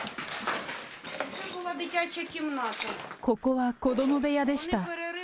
ここは子ども部屋でした。